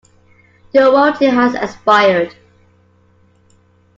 Your warranty has expired.